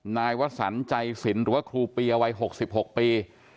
นายวสันใจศิลป์หรือว่าครูเปียวัย๖๖ปี